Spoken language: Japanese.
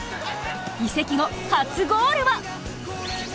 移籍後初ゴールは？